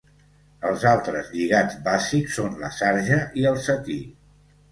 Els altres lligats bàsics són la sarja i el setí.